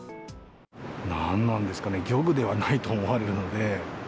何なんですかね、漁具ではないと思われるので。